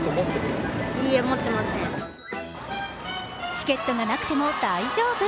チケットがなくても大丈夫。